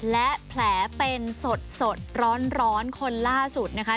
และแผลเป็นสดร้อนคนล่าสุดนะคะ